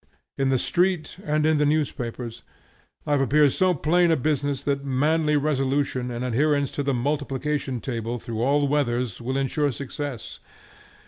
In the street and in the newspapers, life appears so plain a business that manly resolution and adherence to the multiplication table through all weathers will insure success.